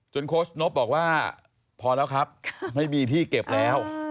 โค้ชนบบอกว่าพอแล้วครับไม่มีที่เก็บแล้ว